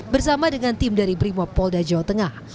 bersama dengan tim dari brimopolda jawa tengah